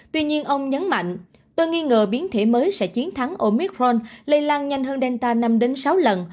tuy nhiên ông nhấn mạnh tôi nghi ngờ biến thể mới sẽ chiến thắng omithron lây lan nhanh hơn delta năm sáu lần